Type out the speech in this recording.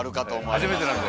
初めてなんで。